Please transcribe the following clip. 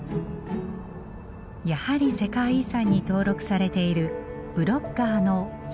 やはり世界遺産に登録されているブロッガーのストーンサークルです。